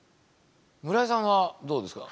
村井さんはどうですか？